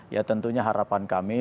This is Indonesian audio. ya tentunya harapan kami